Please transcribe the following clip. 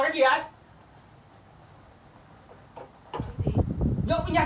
cô phải thì làm sao